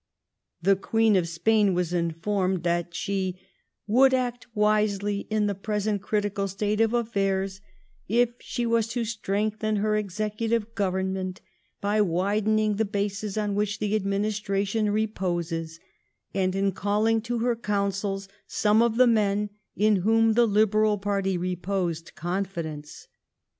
The Queen of Spain was informed that she ^^ would act wisely in the present critical state of affairs if she was to strengthen her exe cutive government by widening tbe bases on which tbe administration reposes, and in calling to her counsels some of the men in whom the Liberal party reposed confidence.''